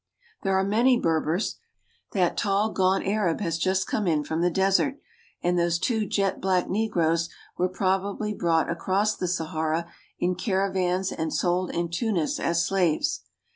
There are many Berbers; that tall gaunt Arab has just come in from the desert, and those, two jet black negroes ; probably brought across the Sahara in caravans and sold in Tunis as slaves.